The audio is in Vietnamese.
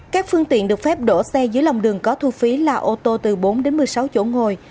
các phương tiện được phép đổ xe dưới lòng đường có thu phí là ô tô từ bốn đến một mươi sáu chỗ ngồi